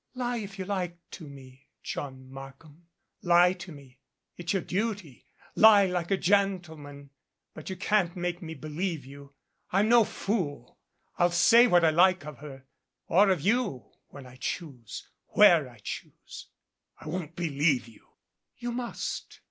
"Lie, if you like to me, John Markham. Lie to me. It's your duty. Lie like a gentleman. But you can't make me believe you. I'm no fool. I'll say what I like of her or of you, when I choose, where I choose " "I won't believe you." "You must.